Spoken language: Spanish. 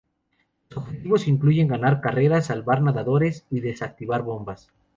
Los objetivos incluyen ganar carreras, salvar nadadores y desactivar bombas.